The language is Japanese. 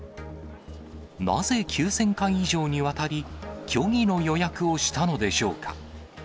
なぜ９０００回以上にわたり、虚偽の予約をしたのでしょうか。